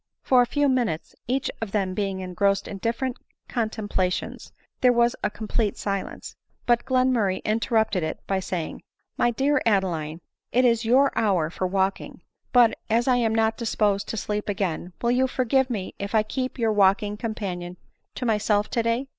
For a few minutes, each of them being engrossed in m ADELINE MOWBRAY. tfg different contemplations, there was a complete silence ; but Glenmurray interrupted it by saying, " My dear Ad eline, it is your hour for walking ; but, as I am not disposed to sleep again, will you forgive me if I keep your walking companion to myself today